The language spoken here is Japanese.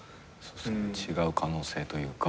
違う可能性というか。